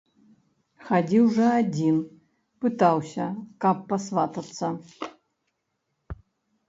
Хадзіў жа адзін, пытаўся, каб пасватацца.